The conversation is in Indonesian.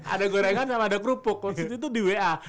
ada gorengan sama ada kerupuk konstitusi itu di wa